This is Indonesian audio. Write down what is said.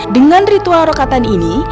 dengan ritual rokatan ini